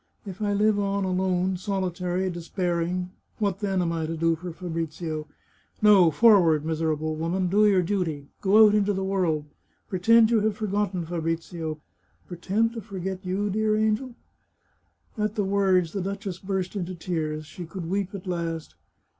If I live on alone, solitary, despairing, what, then, am I to do for Fabrizio ? No ! forward, miserable woman ! Do your duty. Go out into the world. Pretend you have forgotten Fabrizio. Pretend to forget you, dear angel ?" At the words the duchess burst into tears — she could weep at last.